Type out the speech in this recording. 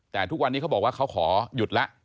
แต่ทุกวันนี้เขาบอกว่าเขาขอหยุดแล้ว